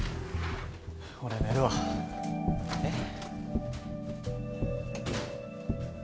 俺寝るわえっ？